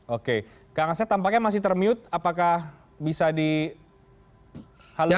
oke kang asep tampaknya masih termute apakah bisa dihaluskan